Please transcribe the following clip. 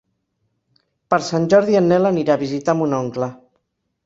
Per Sant Jordi en Nel anirà a visitar mon oncle.